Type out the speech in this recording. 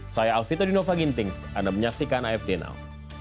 saya alvito dinova gintings anda menyaksikan afd now